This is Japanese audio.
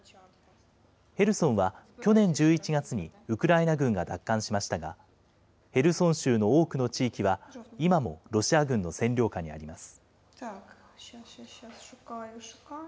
ヘルソンは去年１１月にウクライナ軍が奪還しましたが、ヘルソン州の多くの地域は、今もロシア軍の占領下にあります。